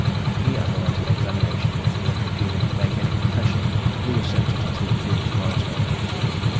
He underwent an examination; but, refusing to make any confession, he was sent to Tothill fields' Bridewell.